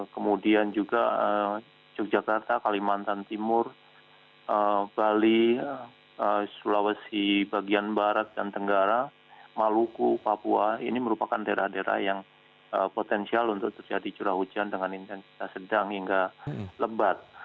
kemudian juga yogyakarta kalimantan timur bali sulawesi bagian barat dan tenggara maluku papua ini merupakan daerah daerah yang potensial untuk terjadi curah hujan dengan intensitas sedang hingga lebat